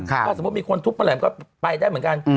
ถ้าสมมุติมีคนทุบเมื่อไหร่ก็ไปได้เหมือนกัน